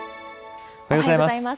おはようございます。